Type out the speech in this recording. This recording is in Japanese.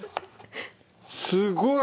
すごい！